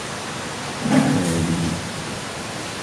هذه أختي.